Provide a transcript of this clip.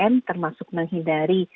tiga m termasuk menghindari